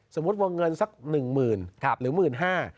สมมุติบวกเงินสักหนึ่งหมื่นหรือหมื่นห้า